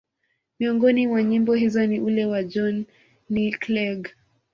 miongoni mwa nyimbo hizo ni ule wa Johnny Clegg